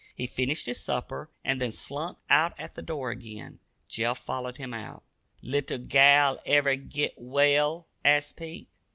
He finished his supper, and then slunk out at the door again. Jeff followed him out. "Little gal ever git well?" asked Pete.